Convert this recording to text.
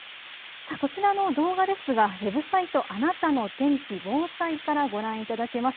こちらの動画ですがウェブサイト、あなたの天気・防災からご覧いただけます。